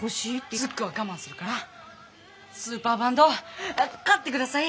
ズックは我慢するからスーパーバンドを買ってください！